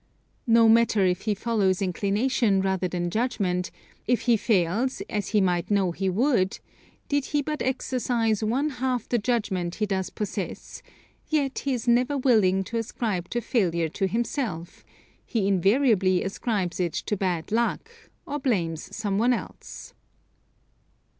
No matter if he follows inclination rather than judgment, if he fails, as he might know he would did he but exercise one half the judgment he does possess, yet he is never willing to ascribe the failure to himself he invariably ascribes it to bad luck, or blames some one else.